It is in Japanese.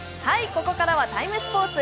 ここからは「ＴＩＭＥ，スポーツ」